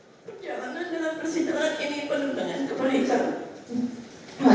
perjalanan dalam sidang ini penuh dengan keberhitaan